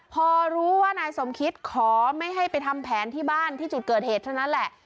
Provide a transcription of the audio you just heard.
พอรู้ว่านายสมคิตขอไม่ให้ไปทำแผนที่บ้านที่จุดเกิดเหตุเท่านั้นแหละ